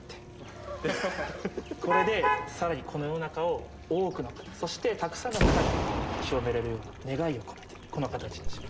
これで更にこの世の中を多くの方そしてたくさんの方に広められるような願いを込めてこの形にしました。